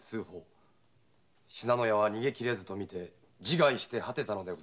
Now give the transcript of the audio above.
信濃屋は逃げきれずとみて自害して果てたのです。